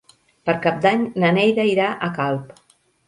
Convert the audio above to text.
Per Cap d'Any na Neida irà a Calp.